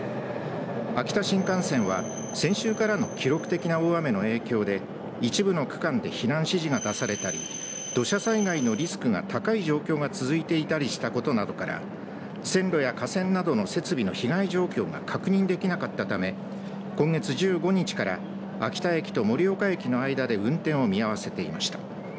秋田新幹線は先週からの記録的な大雨の影響で一部の区間で避難指示が出されたり土砂災害のリスクが高い状況が続いていたりしたことなどから線路や架線などの設備の被害状況が確認できなかったため今月１５日から秋田駅と盛岡駅の間で運転を見合わせていました。